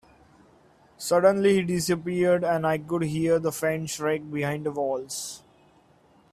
Suddenly, he disappeared, and I could hear a faint shriek behind the walls.